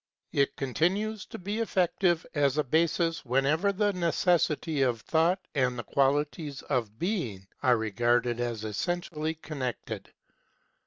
It continues to be effective as a basis wherever the necessity of Thought and the qualities of Being are regarded as essen tially connected.